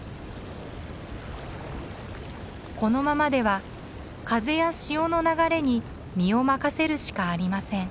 このままでは風や潮の流れに身を任せるしかありません。